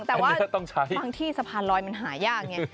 แต่ว่าบางที่สะพานลอยมันหายากไง